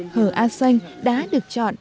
hờ a xanh đã được chọn